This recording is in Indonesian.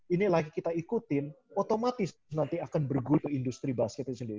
ini layak kita ikutin otomatis nanti akan bergulir industri basket itu sendiri